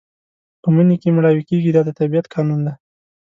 په مني کې مړاوي کېږي دا د طبیعت قانون دی.